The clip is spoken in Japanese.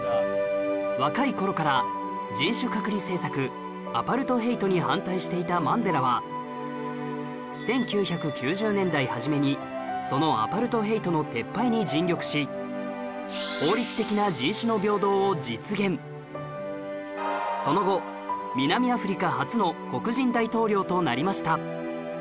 若い頃から人種隔離政策アパルトヘイトに反対していたマンデラは１９９０年代初めにそのその後南アフリカ初の黒人大統領となりました